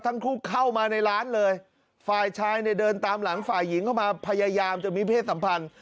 เข้ามาในร้านเลยฝ่ายชายเนี่ยเดินตามหลังฝ่ายหญิงเข้ามาพยายามจะมีเพศสัมพันธ์